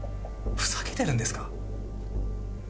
ふざけてるんですか？